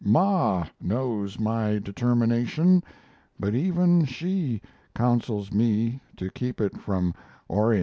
Ma knows my determination, but even she counsels me to keep it from Orion.